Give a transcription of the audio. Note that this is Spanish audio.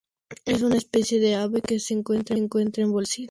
Es una especie de ave que se encuentra en Bolivia y Brasil.